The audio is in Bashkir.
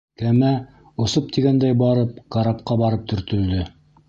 Кәмә, осоп тигәндәй барып, карапҡа барып төртөлдө.